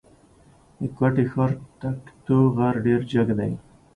د کوټي ښار تکتو غر ډېر جګ دی.